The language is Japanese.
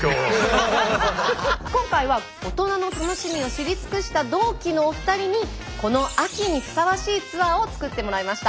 今回は大人の楽しみを知り尽くした同期のお二人にこの秋にふさわしいツアーを作ってもらいました。